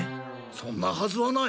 そんなはずはない！